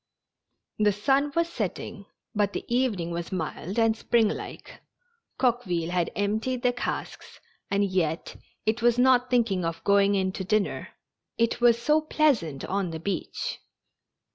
The sun was setting, but the evening was mild and springlike. Coqueville had emptied the casks, and yet it was not thinking of going in to dinner. It was so pleasant on the beach.